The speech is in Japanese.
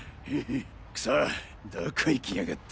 クソどこ行きやがった？